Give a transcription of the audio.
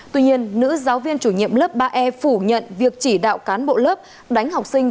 tuy nhiên nữ giáo viên chủ nhiệm lớp ba e phủ nhận việc chỉ đạo cán bộ lớp đánh học sinh